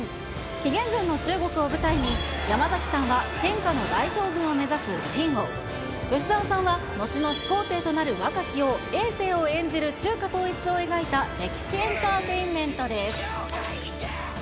紀元前の中国を舞台に、山崎さんは天下の大将軍を目指す信を、吉沢さんは後の始皇帝となる若き王、えい政を演じる中華統一を描いた歴史エンターテインメントです。